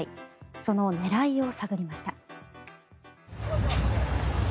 その狙いを探りました。